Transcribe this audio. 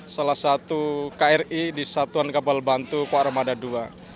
salah satu kri di satuan kapal bantu koarmada ii